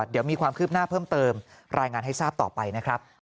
เดี๋ยวมีความคืบหน้าเพิ่มเติมรายงานให้ทราบต่อไปนะครับ